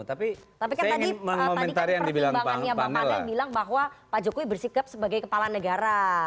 tapi kan tadi pertimbangannya pak mada bilang bahwa pak jokowi bersikap sebagai kepala negara